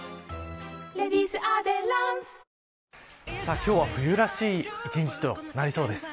今日は冬らしい１日となりそうです。